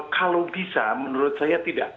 kalau bisa menurut saya tidak